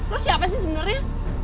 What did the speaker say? lu siapa sih sebenernya